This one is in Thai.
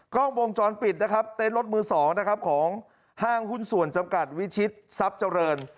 กล้องวงจรปิดนะครับเต็นรถมือสองของห้างหุ้นส่วนจำกัดวิชิตซับเจ้าเริน